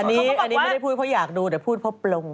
อันนี้ไม่ได้พูดเพราะอยากดูแต่พูดเพราะปลง